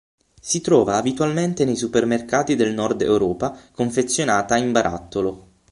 Si trova abitualmente nei supermercati del Nord Europa, confezionata in barattolo.